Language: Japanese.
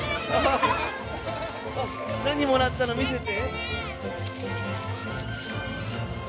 何もらったの見せて。